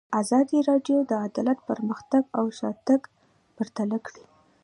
ازادي راډیو د عدالت پرمختګ او شاتګ پرتله کړی.